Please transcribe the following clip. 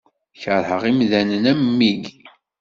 Kerheɣ imdanen am wiyi.